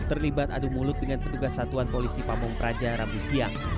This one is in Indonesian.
terlibat adu mulut dengan petugas satuan polisi pabong praja ramusia